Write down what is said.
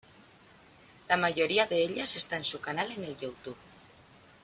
La mayoría de ellas está en su canal en el Youtube.